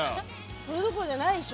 それどころじゃないでしょ。